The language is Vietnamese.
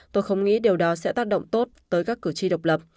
tôi không nghĩ điều đó sẽ tác động tốt tới các cử tri độc lập